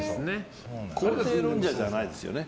肯定論者じゃないですよね。